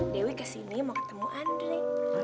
dewi kesini mau ketemu andre